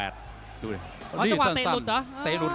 ดูดิ